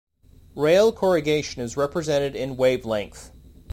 Rail corrugation is represented in wavelength.